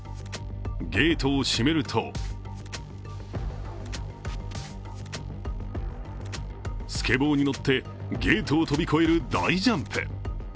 ゲートを閉めるとスケボーに乗って、ゲートを跳び越える大ジャンプ。